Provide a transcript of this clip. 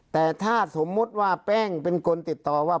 แต่ถ้าสมมุติว่าแป้งเป็นคนติดต่อว่า